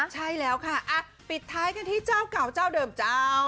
ใช่แล้วค่ะปิดท้ายกันที่เจ้าเก่าเจ้าเดิมเจ้า